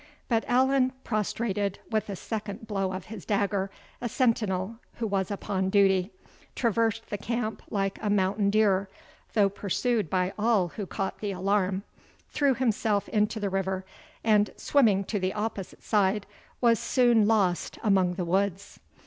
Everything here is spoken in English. But Allan prostrated, with a second blow of his dagger, a sentinel who was upon duty traversed the camp like a mountain deer, though pursued by all who caught the alarm threw himself into the river, and, swimming to the opposite side, was soon lost among the woods.